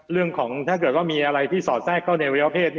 เรื่องของถ้าเกิดก็มีอะไรที่สอดแทรกเข้าในวัยวะเพศ